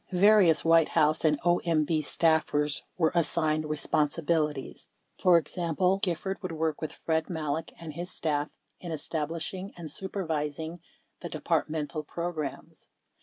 Various White House and OMB staffers were assigned responsi bilities. For example :... Gifford would work with Fred Malek and his staff in establishing and supervising the Departmental programs.